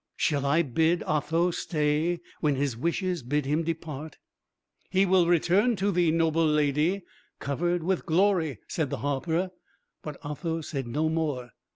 Shall I bid Otho stay when his wishes bid him depart?" "He will return to thee, noble ladye, covered with glory," said the harper: but Otho said no more.